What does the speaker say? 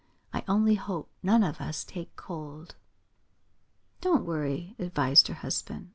I only hope none of us take cold." "Don't worry," advised her husband.